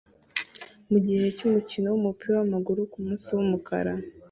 mugihe cyumukino wumupira wamaguru kumunsi wumukara